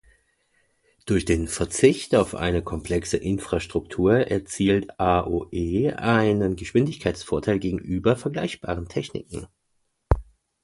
Durch den Verzicht auf eine komplexe Infrastruktur erzielt AoE einen Geschwindigkeitsvorteil gegenüber vergleichbaren Techniken.